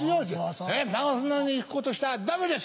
「そんなことしたらダメです」